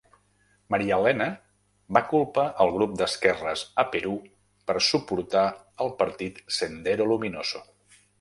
Maria Elena va culpar el grup d'esquerres a Perú per suportar el partit Sendero Luminoso.